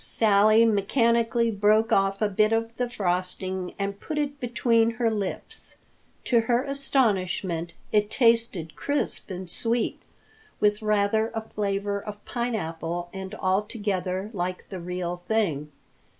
Sally mechanically broke off a bit of the frosting and put it between her lips. To her astonishment, it tasted crisp and sweet, with rather a flavor of pineapple, and altogether like the real thing.